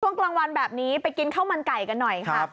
กลางวันแบบนี้ไปกินข้าวมันไก่กันหน่อยค่ะ